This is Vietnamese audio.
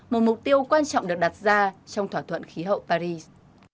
một mục tiêu quan trọng được đặt ra trong thỏa thuận khí hậu paris